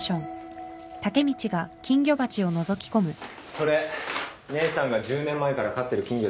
それ姉さんが１０年前から飼ってる金魚です。